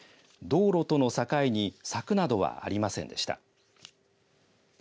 道路との境に、柵などはありませんでした。